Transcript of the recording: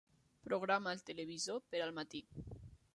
Programa el televisor per al matí.